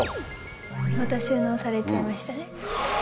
また収納されちゃいましたね。